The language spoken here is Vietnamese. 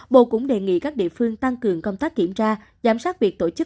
bộ cũng đề nghị các địa phương tăng cường công tác kiểm tra giám sát việc tổ chức